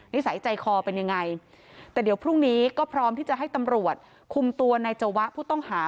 นิสัยใจคอเป็นยังไงแต่เดี๋ยวพรุ่งนี้ก็พร้อมที่จะให้ตำรวจคุมตัวนายจวะผู้ต้องหา